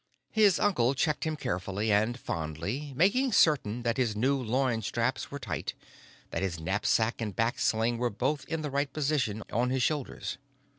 His uncle checked him carefully and fondly, making certain that his new loin straps were tight, that his knapsack and back sling were both in the right position on his shoulders.